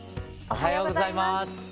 おはようございます。